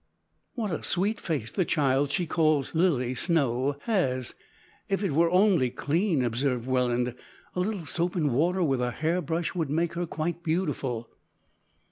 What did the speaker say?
"What a sweet face the child she calls Lilly Snow has if it were only clean," observed Welland. "A little soap and water with a hair brush would make her quite beautiful."